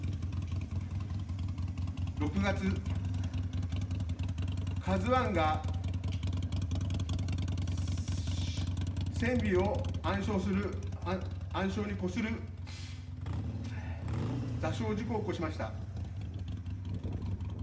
６月、ＫＡＺＵＩが船尾を暗礁にこする座礁事故を起こしました。